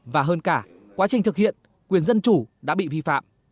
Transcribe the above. và hơn cả quá trình thực hiện quyền dân chủ đã bị vi phạm